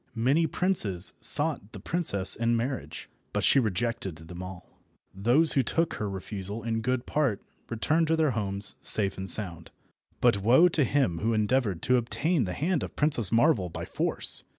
Many princes sought the princess in marriage, but she rejected them all. Those who took her refusal in good part returned to their homes safe and sound, but woe to him who endeavoured to obtain the hand of Princess Marvel by force!